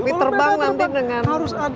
tapi terbang nanti dengan maskapai lain kan gak lucu